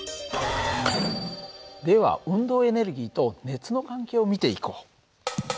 では運動エネルギーと熱の関係を見ていこう。